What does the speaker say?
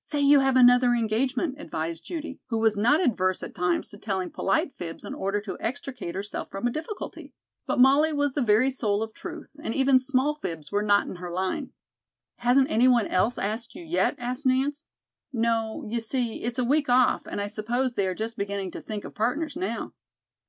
"Say you have another engagement," advised Judy, who was not averse at times to telling polite fibs in order to extricate herself from a difficulty. But Molly was the very soul of truth, and even small fibs were not in her line. "Hasn't any one else asked you yet?" asked Nance. "No; you see, it's a week off, and I suppose they are just beginning to think of partners now."